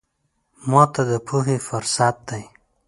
ماته د پوهې فرصت دی.